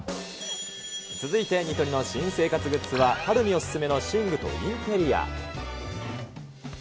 続いて、ニトリの新生活グッズは、春にお勧めの寝具とインテリア。